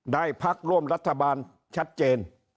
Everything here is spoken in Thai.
พักร่วมรัฐบาลชัดเจน